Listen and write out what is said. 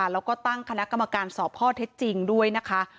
แล้วก็ตั้งคณะกรรมการสอบข้อเท็จจริงด้วยนะคะ